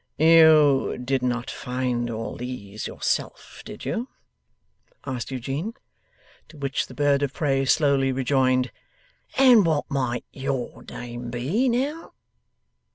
'You did not find all these yourself; did you?' asked Eugene. To which the bird of prey slowly rejoined, 'And what might YOUR name be, now?